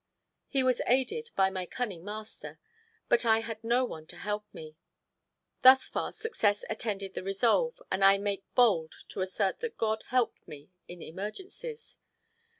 He was aided by my cunning master, but I had no one to help me. Thus far success attended the resolve, and I make bold to assert that God helped me in emergencies.